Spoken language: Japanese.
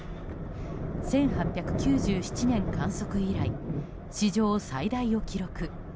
１８９７年観測以来史上最大を記録。